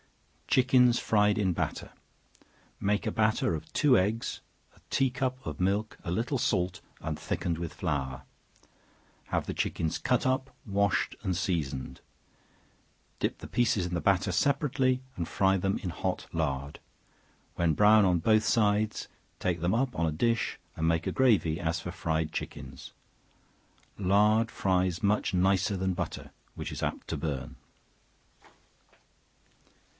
Chickens Fried in Batter. Make a batter of two eggs, a tea cup of milk, a little salt, and thickened with flour; have the chickens cut up, washed and seasoned; dip the pieces in the batter separately, and fry them in hot lard; when brown on both sides, take them up on a dish, and make a gravy as for fried chickens. Lard fries much nicer than butter, which is apt to burn.